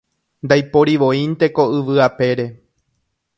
Ndaiporivoínte ko yvy apére